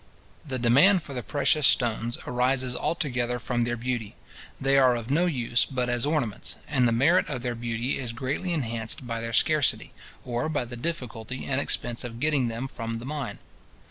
The demand for the precious stones arises altogether from their beauty. They are of no use but as ornaments; and the merit of their beauty is greatly enhanced by their scarcity, or by the difficulty and expense of getting them from the mine.